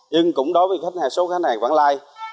nhưng cũng đối với số khách hàng quản lai